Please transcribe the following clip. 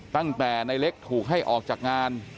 ตั้งแต่ในเล็กถูกให้ออกจากงาน